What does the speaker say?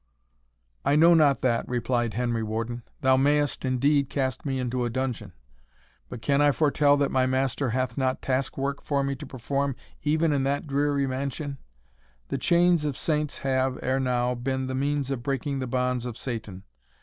"I know not that," replied Henry Warden; "thou mayest indeed cast me into a dungeon, but can I foretell that my Master hath not task work for me to perform even in that dreary mansion? The chains of saints have, ere now, been the means of breaking the bonds of Satan.